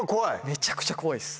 めちゃくちゃ怖いです。